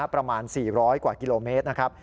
ประมาณ๔๐๐กว่ากิโลเมตรนะครับ